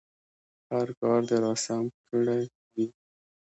هر کار دې راسم کړی وي.